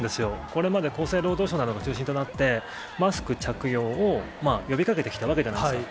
これまで厚生労働省などが中心となって、マスク着用を呼びかけてきたわけじゃないですか。